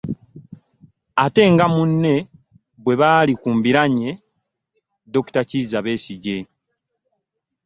Ate nga munne bwe baali ku mbiranye Dokita Kizza Besigye